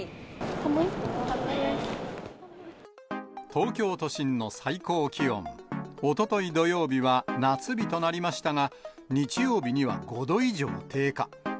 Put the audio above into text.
東京都心の最高気温、おととい土曜日は夏日となりましたが、日曜日には５度以上低下。